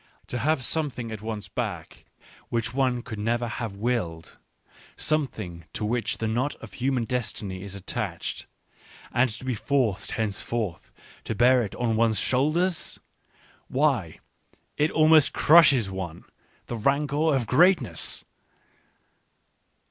To have something at one's back which one could never have willed, something to which the knot of human destiny is attached — and to be forced thencefor ward to bear it on one's shoulders! Why, it almost crushes one ! The rancour of greatness